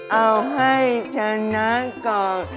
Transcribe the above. เอาให้จะน้ำก่อน